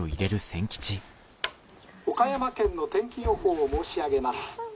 「岡山県の天気予報を申し上げます。